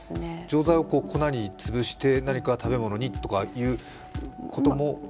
錠剤を粉に潰して何か食べ物にとかいうことも？